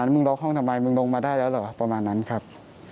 มึงล็อกห้องทำไมมึงลงมาได้แล้วเหรอประมาณนั้นครับ